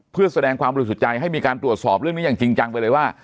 เพื่อแสดงความบริสุทธิ์ใจให้มีการตรวจสอบเรื่องนี้อย่างจริงจังไปเลยว่า